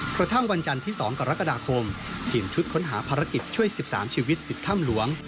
กระทั่งวันจันทร์ที่๒กรกฎาคมทีมชุดค้นหาภารกิจช่วย๑๓ชีวิตติดถ้ำหลวง